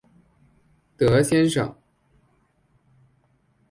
德先生